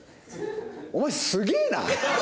お前すげえな。